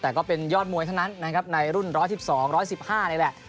แต่ก็เป็นยอดมวยเท่านั้นนะครับในรุ่น๑๑๒๑๕นี่แหละ